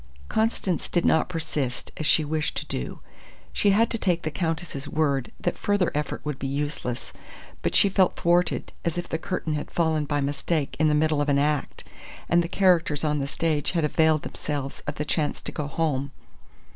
Constance did not persist, as she wished to do. She had to take the Countess's word that further effort would be useless, but she felt thwarted, as if the curtain had fallen by mistake in the middle of an act, and the characters on the stage had availed themselves of the chance to go home.